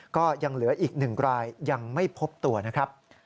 ก็ยังเหลืออีก๑รายยังไม่พบตัวนะครับ